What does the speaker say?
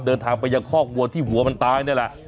เดินทางไปยังคอกวัวที่หัวมันตายนี่แหละ